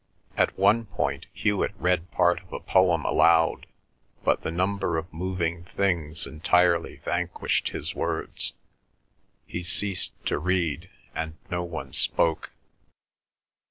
At one point Hewet read part of a poem aloud, but the number of moving things entirely vanquished his words. He ceased to read, and no one spoke.